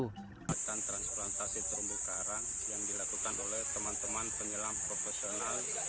akan transplantasi terumbu karang yang dilakukan oleh teman teman penyelam profesional